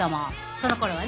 そのころはね。